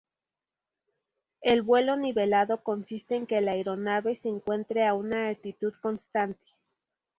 El vuelo nivelado consiste en que la aeronave se encuentre a una altitud constante.